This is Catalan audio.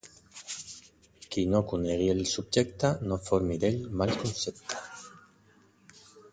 Qui no conegui el subjecte no formi d'ell mal concepte.